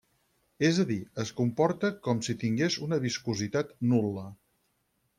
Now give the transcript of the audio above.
És a dir, es comporta com si tingués una viscositat nul·la.